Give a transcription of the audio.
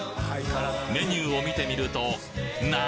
メニューを見てみると何！？